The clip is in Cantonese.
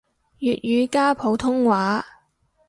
粵語加普通話